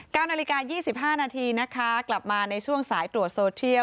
๙นาฬิกา๒๕นาทีนะคะกลับมาในช่วงสายตรวจโซเชียล